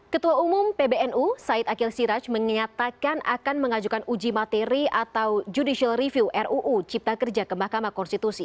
ketua umum pbnu said akhil siraj menyatakan akan mengajukan uji materi atau judicial review ruu cipta kerja ke mahkamah konstitusi